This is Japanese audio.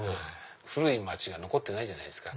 古い町が残ってないじゃないですか。